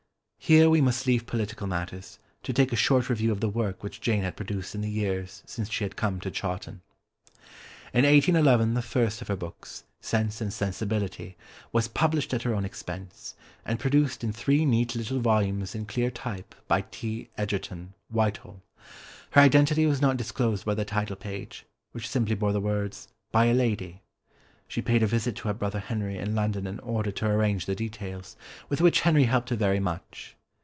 Here we must leave political matters, to take a short review of the work which Jane had produced in the years since she had come to Chawton. In 1811 the first of her books, Sense and Sensibility, was published at her own expense, and produced in three neat little volumes in clear type by T. Egerton, Whitehall. Her identity was not disclosed by the title page, which simply bore the words "By a Lady." She paid a visit to her brother Henry in London in order to arrange the details, with which Henry helped her very much.